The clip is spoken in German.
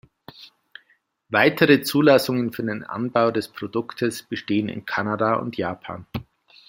Weitere Zulassungen für den Anbau des Produktes bestehen in Kanada und Japan.